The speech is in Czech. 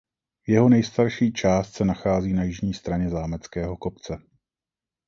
Jeho nejstarší část se nachází na jižní straně Zámeckého kopce.